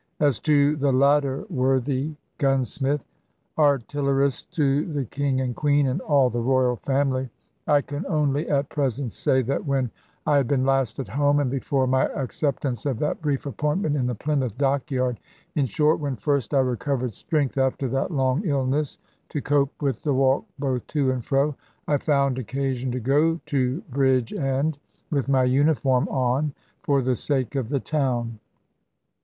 As to the latter worthy gunsmith, "Artillerist to the King and Queen, and all the Royal Family," I can only at present say that when I had been last at home, and before my acceptance of that brief appointment in the Plymouth dockyard in short, when first I recovered strength, after that long illness, to cope with the walk both to and fro I found occasion to go to Bridgend, with my uniform on for the sake of the town.